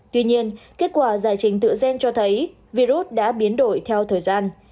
tuy nhiên kết quả giải trình tự gen cho thấy virus đã biến đổi theo thời gian